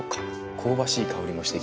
香ばしい香りもしてきました。